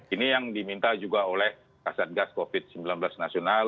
ini yang diminta juga oleh kasatgas covid sembilan belas nasional